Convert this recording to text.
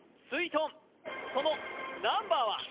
すいとんそのナンバーは？